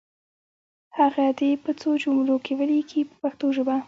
هغه دې په څو جملو کې ولیکي په پښتو ژبه.